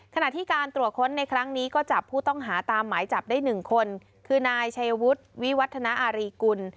ขณะที่การตรวจค้นในครั้งนี้ก็จับผู้ต้องหาตามหมายจับได้๑คนคือนายชัยวุฒิวิวัฒนาอารีกุล